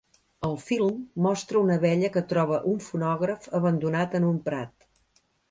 El film mostra una abella que troba un fonògraf abandonat en un prat.